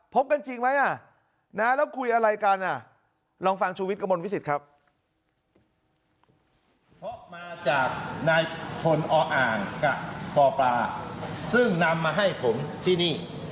เพราะมาจากนายพลออกับปปซึ่งนำมาให้ผมที่นี่